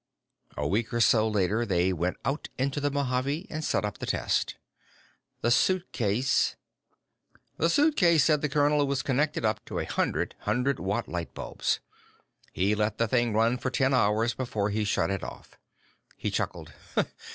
A week or so later, they went out into the Mojave and set up the test. The suitcase "... The suitcase," said the colonel, "was connected up to a hundred hundred watt light bulbs. He let the thing run for ten hours before he shut it off." He chuckled.